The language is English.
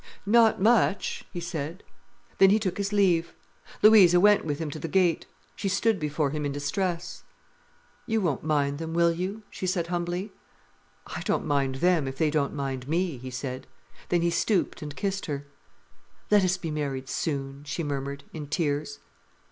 "Not much," he said. Then he took his leave. Louisa went with him to the gate. She stood before him in distress. "You won't mind them, will you?" she said humbly. "I don't mind them, if they don't mind me!" he said. Then he stooped and kissed her. "Let us be married soon," she murmured, in tears.